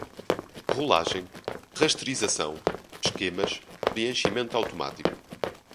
rolagem, rasterização, esquemas, preenchimento automático